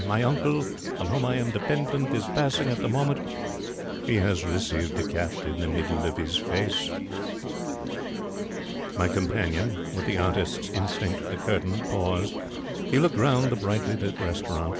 My uncle, on whom I am dependent, is passing at the moment. He has received the cat in the middle of his face. My companion, with the artist's instinct for the 'curtain', paused. He looked round the brightly lit restaurant.